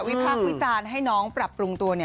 พากษ์วิจารณ์ให้น้องปรับปรุงตัว